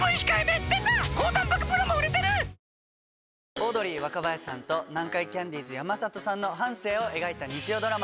オードリー・若林さんと南海キャンディーズ・山里さんの半生を描いた日曜ドラマ。